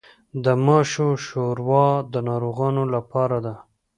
د ماشو شوروا د ناروغانو لپاره ده.